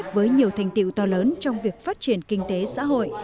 với nhiều thành tiệu to lớn trong việc phát triển kinh tế xã hội